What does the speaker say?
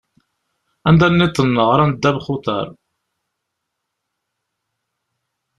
Anda-nniḍen, ɣran ddabex n uḍar.